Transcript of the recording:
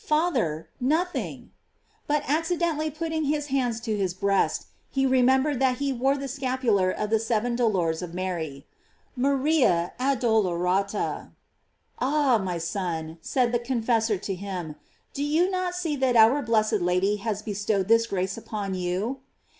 "Father, noth ing." But accidentally putting his hand to his breast, he remembered that he wore the Scapu lar of the Seven Dolors of Mary: "Maria addol orata." "Ah, my son," said the confessor to him, "do you not see that our blessed Lady has bestowed this grace upon you?